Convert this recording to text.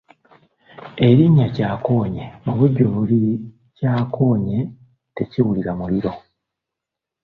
Erinnya Kyakoonye mubujjuvu liri Kyakonye tekiwulira muliro.